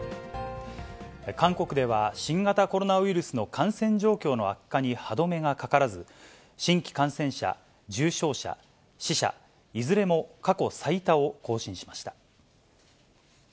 韓国では新型コロナウイルスの感染状況の悪化に歯止めがかからず、新規感染者、重症者、死者、いずれも過去最多を更新しました。